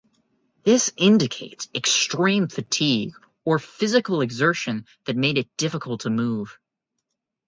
This indicates extreme fatigue or physical exertion that made it difficult to move.